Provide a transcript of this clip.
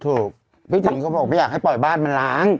ถูกพี่ถึงเขาบอกไม่อยากให้ปล่อยบ้านมันล้าง